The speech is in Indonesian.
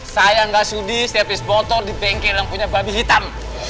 saya gak sudi setiap is motor di bengkel yang punya babi hitam